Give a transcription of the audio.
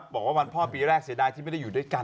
บอกว่าวันพ่อปีแรกเสียดายที่ไม่ได้อยู่ด้วยกัน